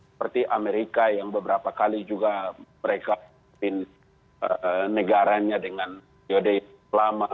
seperti amerika yang beberapa kali juga mereka pin negaranya dengan diode lama